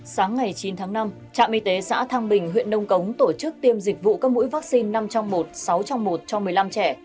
sáng ngày chín tháng năm trạm y tế xã thang bình huyện nông cống tổ chức tiêm dịch vụ các mũi vaccine năm trong một sáu trong một cho một mươi năm trẻ